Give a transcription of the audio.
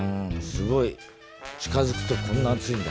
すごい近づくとこんな熱いんだ。